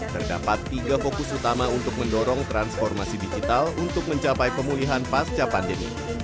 terdapat tiga fokus utama untuk mendorong transformasi digital untuk mencapai pemulihan pasca pandemi